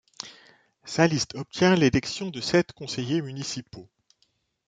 Sa liste obtient l'élection de sept conseillers municipaux.